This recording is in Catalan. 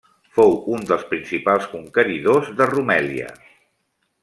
Fou un dels principals conqueridors de Rumèlia.